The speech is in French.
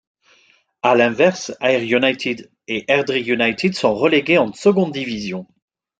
À l'inverse, Ayr United et Airdrie United sont relégués en Second Division.